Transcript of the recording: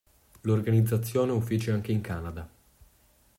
L'organizzazione ha uffici anche in Canada.